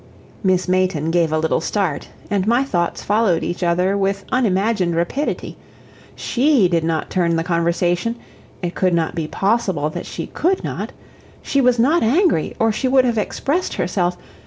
Miss Mayton gave a little start, and my thoughts followed each other with unimagined rapidity. SHE did not turn the conversation it could not be possible that she COULD not. She was not angry, or she would have expressed herself.